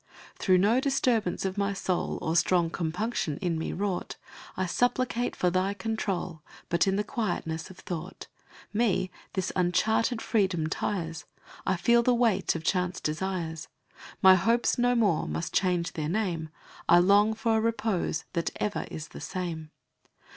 Through no disturbance of my soul Or strong compunction in me wrought, I supplicate for thy control, But in the quietness of thought: Me this uncharter'd freedom tires; I feel the weight of chance desires: My hopes no more must change their name; I long for a repose that ever is the same.